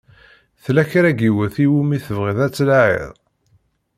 Tella kra n yiwet i wumi tebɣiḍ ad tlaɛiḍ?